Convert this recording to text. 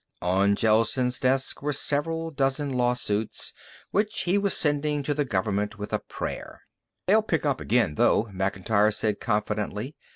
On Gelsen's desk were several dozen lawsuits, which he was sending to the government with a prayer. "They'll pick up again, though," Macintyre said confidently.